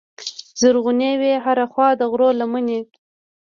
زرغونې وې هره خوا د غرو لمنې